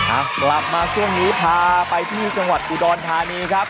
อ่ะกลับมาช่วงนี้พาไปที่จังหวัดอุดรธานีครับ